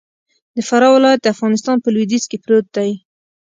د فراه ولايت د افغانستان په لویدیځ کی پروت دې.